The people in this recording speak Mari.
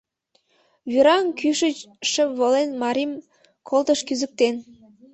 Вӱраҥ кӱшыч шып волен Марим колтыш кӱзыктен...